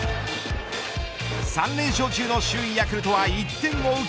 ３連勝中の首位ヤクルトは１点を追う